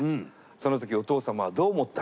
その時お父様はどう思ったのか。